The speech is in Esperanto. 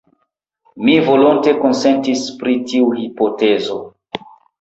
Mi volonte konsentis pri tiu hipotezo.